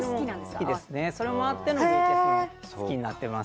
それもあって好きになっています。